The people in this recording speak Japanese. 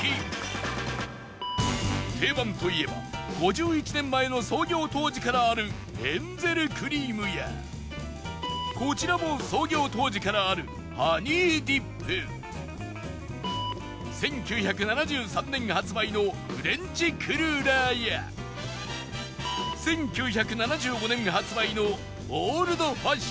定番といえば５１年前の創業当時からあるエンゼルクリームやこちらも創業当時からあるハニーディップ１９７３年発売のフレンチクルーラーや１９７５年発売のオールドファッションなど